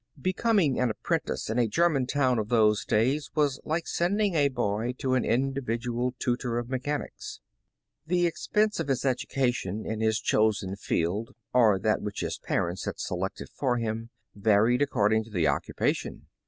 Becoming an apprentice in a German town of those days, was like sending a boy to an individual tutor of mechanics. The expense of his education in his chosen field, or that which his parents had selected for him, varied according to the occupation.